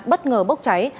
bất ngờ bốc cháy